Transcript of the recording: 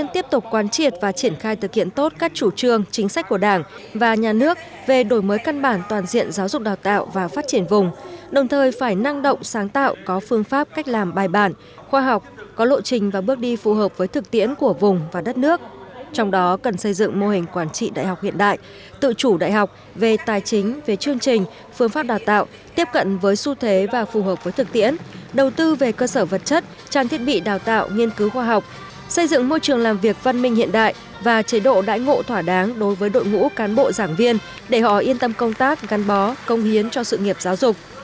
trong đó cần xây dựng mô hình quản trị đại học hiện đại tự chủ đại học về tài chính về chương trình phương pháp đào tạo tiếp cận với xu thế và phù hợp với thực tiễn đầu tư về cơ sở vật chất tràn thiết bị đào tạo nghiên cứu khoa học xây dựng môi trường làm việc văn minh hiện đại và chế độ đại ngộ thỏa đáng đối với đội ngũ cán bộ giảng viên để họ yên tâm công tác gắn bó công hiến cho sự nghiệp giáo dục